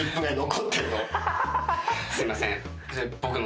すいません。